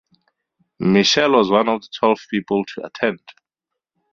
Mitchell was one of the twelve people to attend.